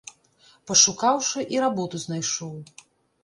Пашукаўшы, і работу знайшоў.